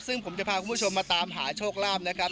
ซึ่งผมจะพาคุณผู้ชมมาตามหาโชคลาภนะครับ